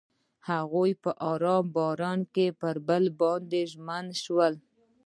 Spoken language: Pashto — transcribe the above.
هغوی په آرام باران کې پر بل باندې ژمن شول.